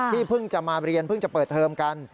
ที่พึ่งมาเรียนพึ่งจะเปิดเทอมกัน